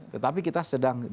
tetapi kita sedang berusaha